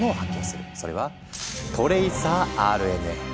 それは「トレイサーＲＮＡ」。